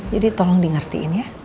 jadi tolong di ngertiin ya